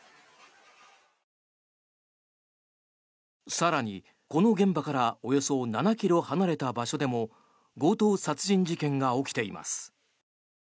更に、この現場からおよそ７ｋｍ離れた場所でも強盗殺人事件が起きています。